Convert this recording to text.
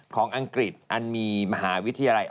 อังกฤษอันมีมหาวิทยาลัย